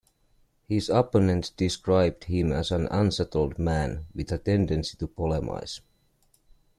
His opponents described him as an unsettled man with a tendency to polemise.